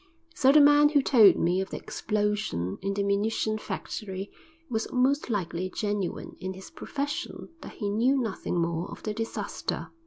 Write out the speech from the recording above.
So the man who told me of the explosion in the munition factory was most likely genuine in his profession that he knew nothing more of the disaster.